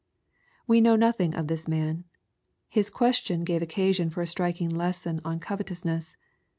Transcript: ] We know nothing of this man. His question gave occasion for a striking lesson on covetousness.